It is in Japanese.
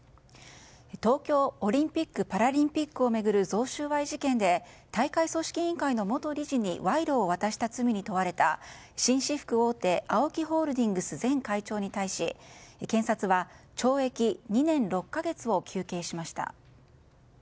東京オリンピック・パラリンピックを巡る贈収賄事件で大会組織委員会の元理事に賄賂を渡した罪に問われた紳士服大手ＡＯＫＩホールディングス前会長に対し検察は懲役２年６か月を求刑しました。